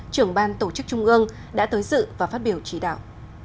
trưởng ban tổ chức trung ương đã tới dự và phát biểu chỉ đạo